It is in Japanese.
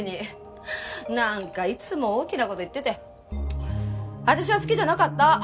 なんかいつも大きな事言ってて私は好きじゃなかった。